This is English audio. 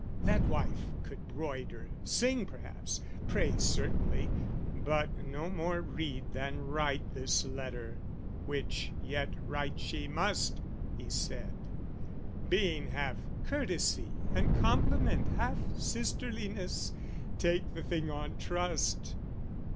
That wife could broider, sing perhaps, Pray certainly, but no more read than write This letter "which yet write she must," he said, "Being half courtesy and compliment, "Half sisterliness: take the thing on trust!"